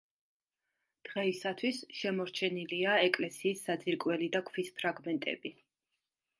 დღეისათვის შემორჩენილია ეკლესიის საძირკველი და ქვის ფრაგმენტები.